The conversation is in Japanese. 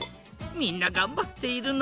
みんながんばっているのう。